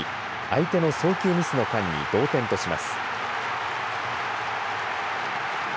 相手の送球ミスの間に同点とします。